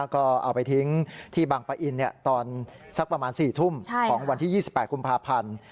ก็เอาไปทิ้งที่บางปะอินตอนสักประมาณ๔ทุ่มของวันที่๒๘กุมภาพันธ์